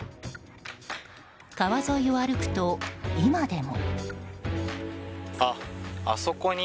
川沿いを歩くと、今でも。